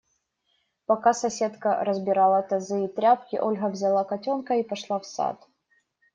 Пока соседка разбирала тазы и тряпки, Ольга взяла котенка и прошла в сад.